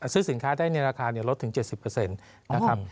ซื้อสินค้าได้ในราคาลดถึง๗๐นะครับ